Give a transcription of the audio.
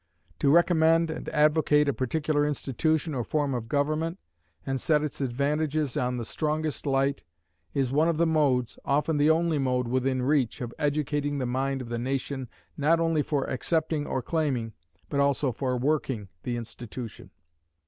To recommend and advocate a particular institution or form of government, and set its advantages in the strongest light, is one of the modes, often the only mode within reach, of educating the mind of the nation not only for accepting or claiming, but also for working, the institution.